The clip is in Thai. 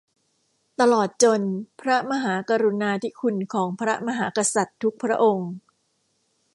ตลอดจนพระมหากรุณาธิคุณของพระมหากษัตริย์ทุกพระองค์